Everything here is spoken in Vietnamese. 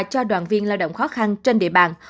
cho đoàn viên lao động khó khăn trên địa bàn